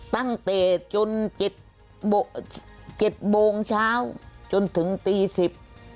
ตั้งแต่จนเจ็ดโมงเจ็ดโมงเช้าจนถึงตีสิบ